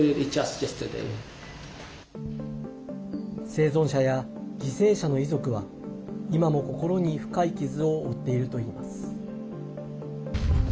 生存者や犠牲者の遺族は今も心に深い傷を負っているといいます。